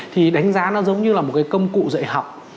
thì đánh giá nó giống như là một cái công cụ dạy học